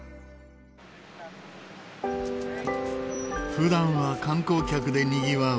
普段は観光客でにぎわう